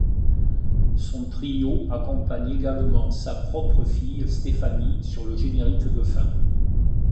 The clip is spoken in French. Son trio accompagne également sa propre fille Stéphanie sur le générique de fin.